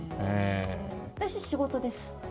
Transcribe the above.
私は仕事です。